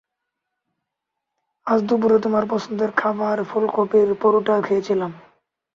আজ দুপুরে তোমার পছন্দের খাবার, ফুলকপির পরোটা খেয়েছিলাম।